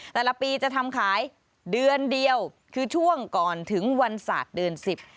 แต่ละปีจะทำขายเดือนเดียวคือช่วงก่อนถึงวันศาสตร์เดือนสิบ